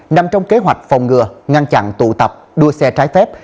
nằm trong kế hoạch phòng ngừa ngăn chặn tụ tập đua xe trái phép